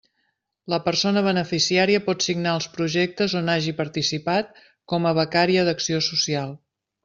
La persona beneficiària pot signar els projectes on hagi participat com a becària d'acció social.